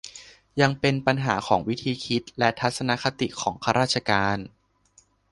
ยังเป็นปัญหาของวิธีคิด และทัศนคติ ของข้าราชการ